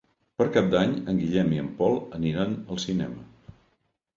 Per Cap d'Any en Guillem i en Pol aniran al cinema.